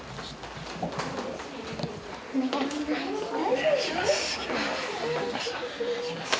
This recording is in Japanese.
お願いします。